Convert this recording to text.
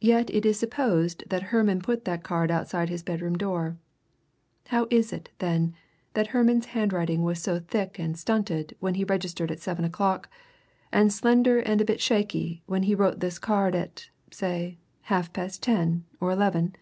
Yet it is supposed that Herman put that card outside his bedroom door. How is it, then, that Herman's handwriting was thick and stunted when he registered at seven o'clock and slender and a bit shaky when he wrote this card at, say, half past ten or eleven?